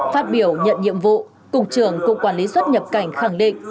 phát biểu nhận nhiệm vụ cục trưởng cục quản lý xuất nhập cảnh khẳng định